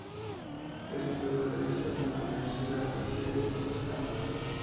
Estudió derecho en la Universidad de Chile por tres años.